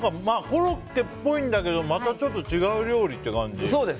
コロッケっぽいんだけどまたちょっと違う料理って感じ。